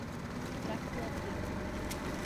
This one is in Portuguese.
Tracuateua